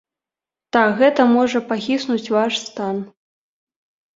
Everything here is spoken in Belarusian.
Так, гэта можа пахіснуць ваш стан.